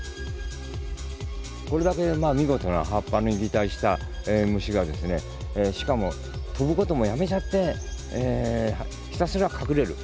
これだけ見事な葉っぱに擬態した虫がですねしかも飛ぶこともやめちゃってひたすら隠れる。